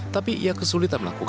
tapi ia kesulitan melakukan